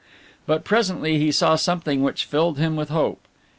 But presently he saw something which filled him with hope.